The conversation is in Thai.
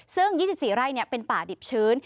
ซึ่ง๒๔ไร่เป็นป่าดิบชื้น